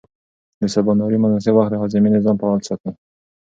د سباناري مناسب وخت د هاضمې نظام فعال ساتي.